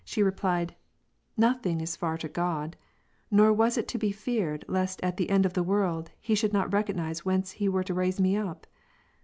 she replied, "No thing is far to God ; nor was it to be feared lest at the end of the world. He should not recognize whence He were to raise me up."